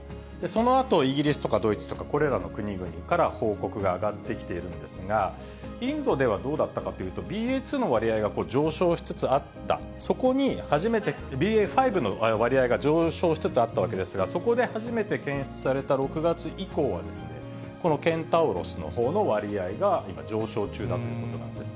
そのあとイギリスとかドイツとか、これらの国々から報告が上がってきているんですが、インドではどうだったかというと、ＢＡ．２の割合がこれ、上昇しつつあった、そこに初めてＢＡ．５の割合が上昇しつつあったわけですが、そこで初めて検出された６月以降は、このケンタウロスのほうの割合が今、上昇中だということなんです。